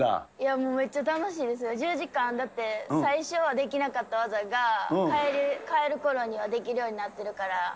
もうめっちゃ楽しいですよ、１０時間だって、最初はできなかった技が帰るころにはできるようになってるから。